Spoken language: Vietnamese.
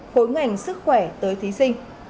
khối ngành sức khỏe tới thí sinh